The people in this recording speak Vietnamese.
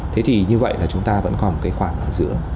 thế thì như vậy là chúng ta vẫn còn cái khoảng ở giữa